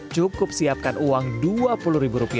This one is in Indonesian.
cukup siapkan uang rp dua puluh